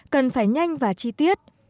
cần phải nhanh và chi tiết